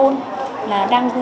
ở bệnh viện sanh pôn